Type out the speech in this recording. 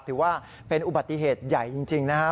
ถือว่าเป็นอุบัติเหตุใหญ่จริงนะฮะ